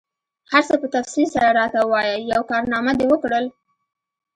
هر څه په تفصیل سره راته ووایه، یوه کارنامه دي وکړل؟